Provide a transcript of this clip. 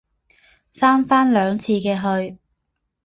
三番两次的去